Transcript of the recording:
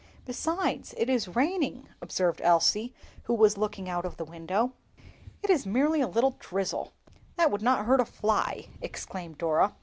"Besides, it is raining," observed Elsie, who was looking out of the window. "It is merely a little drizzle, that would not hurt a fly!" exclaimed Dora.